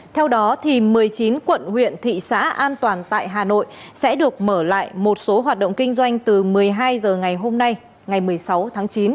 theo đó một mươi chín quận huyện thị xã an toàn tại hà nội sẽ được mở lại một số hoạt động kinh doanh từ một mươi hai h ngày hôm nay ngày một mươi sáu tháng chín